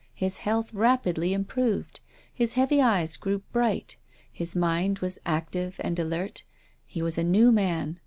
His health rapidly improved. His heavy eyes grew bright. His mind was active and alert. He was a new man.